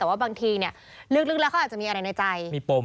แต่ว่าบางทีเนี่ยลึกแล้วเขาอาจจะมีอะไรในใจมีปม